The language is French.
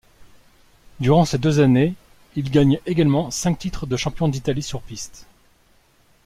Durant ces deux années, il gagne également cinq titres de champion d'Italie sur piste.